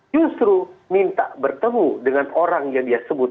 justru minta bertemu dengan orang yang dia sebut